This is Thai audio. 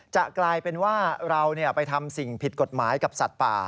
จะกลายเป็นว่าเราไปทำสิ่งผิดกฎหมายกับสัตว์ป่า